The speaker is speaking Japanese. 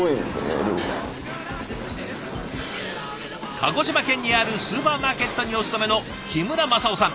鹿児島県にあるスーパーマーケットにお勤めの木村政男さん。